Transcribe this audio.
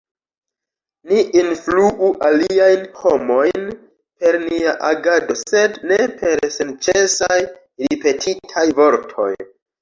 Ni influu aliajn homojn per nia agado, sed ne per senĉesaj ripetitaj vortoj.